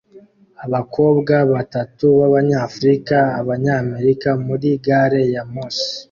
Abakobwa batatu b'Abanyafurika-Abanyamerika muri gari ya moshi